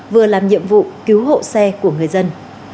vừa làm nhiệm vụ cứu hộ xe của người dân